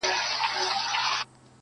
د هغه به څه سلا څه مشوره وي -